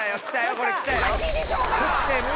これきたよ。